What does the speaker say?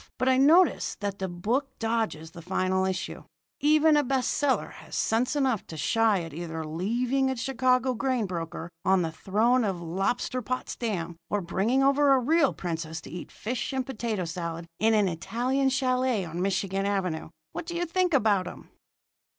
But I notice that the book dodges the final issue. Even a best seller has sense enough to shy at either leaving a Chicago grain broker on the throne of Lobsterpotsdam or bringing over a real princess to eat fish and potato salad in an Italian chalet on Michigan Avenue. What do you think about 'em?"